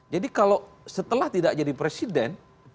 jadi kalau setelah tidak jadi presiden